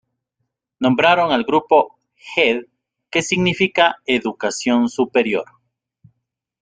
Nombraron al grupo "Hed", que significa "educación superior".